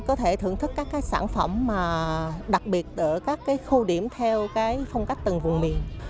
có thể thưởng thức các sản phẩm đặc biệt ở các khu điểm theo phong cách từng vùng miền